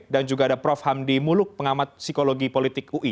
dan juga ada prof hamdi muluk pengamat psikologi politik ui